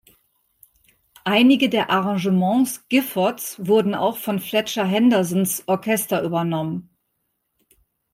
Einige der Arrangements Giffords wurden auch von Fletcher Hendersons Orchester übernommen.